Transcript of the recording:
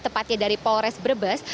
tepatnya dari polres brebes